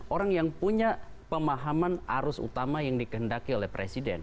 orang yang punya pemahaman arus utama yang dikendaki oleh presiden